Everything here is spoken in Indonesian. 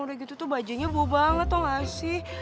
udah gitu tuh bajajnya bau banget tau gak sih